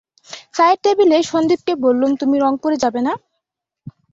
চায়ের টেবিলে সন্দীপকে বললুম, তুমি রংপুরে যাবে না?